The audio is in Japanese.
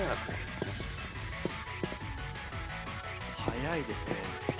早いですね。